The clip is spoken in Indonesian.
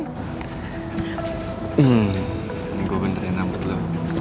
hmm ini gue bentarin rambut lo